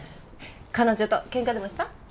彼女とケンカでもした？